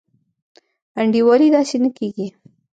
انډيوالي داسي نه کيږي.